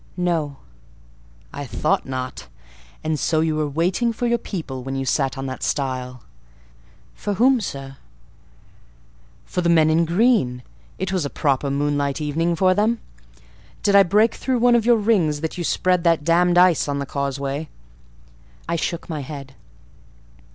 "No." "I thought not. And so you were waiting for your people when you sat on that stile?" "For whom, sir?" "For the men in green: it was a proper moonlight evening for them. Did I break through one of your rings, that you spread that damned ice on the causeway?" I shook my head.